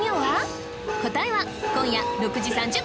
答えは今夜６時３０分